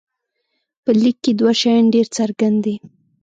په لیک کې دوه شیان ډېر څرګند دي.